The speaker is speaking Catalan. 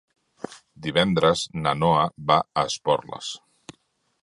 Divendres na Noa va a Esporles.